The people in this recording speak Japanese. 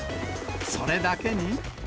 それだけに。